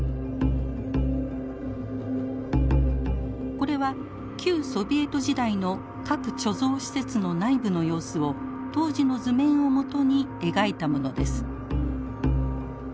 これは旧ソビエト時代の核貯蔵施設の内部の様子を当時の図面を基に描いたものです。